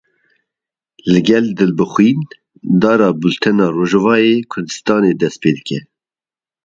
Li gel Dilbixwîn Dara Bultena Rojavayê Kurdistanê dest pê dike.